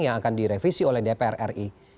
yang akan direvisi oleh dpr ri